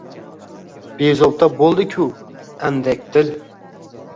Bezovta bo’ldi-ku andak dil